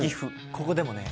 ここでもね